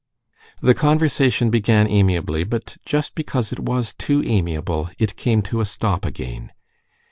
The conversation began amiably, but just because it was too amiable, it came to a stop again.